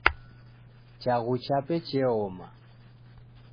Chaghu chape cheoma.